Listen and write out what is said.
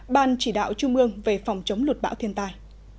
ban chỉ đạo trung ương về phòng chống luật bão thiên tai